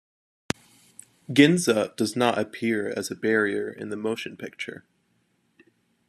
Ginza does not appear as a barrier in the motion picture.